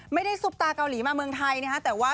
ไม่ได้ซุปร์ตาเกาหลีมาเมืองไทยเนี้ยแต่ว่า